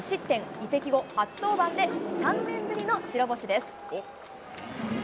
移籍後初登板で３年ぶりの白星です。